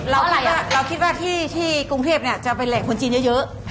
เราคิดว่าที่กรุงเทพเนี่ยจะไปแหลกคนชีนเยอะ